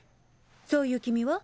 そういう君は？